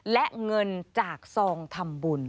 และเงินจากซองทำบุญ